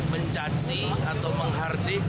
mencaci atau menghardik